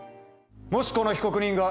もしこの被告人が。